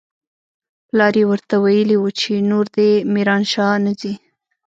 پلار يې ورته ويلي و چې نور دې ميرانشاه نه ځي.